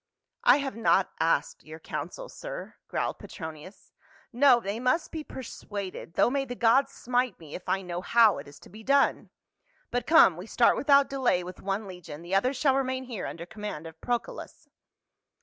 "I have not asked your counsel, sir," growled Petronius. " No, they must be persuaded, though may the gods smite me, if I know how it is to be done. But come, we start without delay with one legion, the other shall remain here under command of Procullus."